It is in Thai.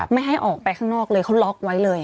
ไม่ให้ออกไปข้างนอกเลยเขาล็อกไว้เลย